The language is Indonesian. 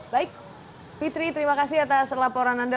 baik fitri terima kasih atas laporan anda